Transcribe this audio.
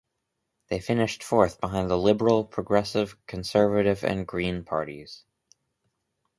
They finished fourth behind the Liberal, Progressive Conservative and Green parties.